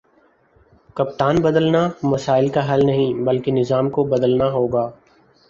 کپتان بدلنا مسائل کا حل نہیں بلکہ نظام کو بدلنا ہوگا